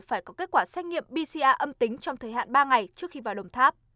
phải có kết quả xét nghiệm bca âm tính trong thời hạn ba ngày trước khi vào đồng tháp